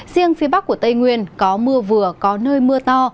riêng phía bắc của tây nguyên có mưa vừa có nơi mưa to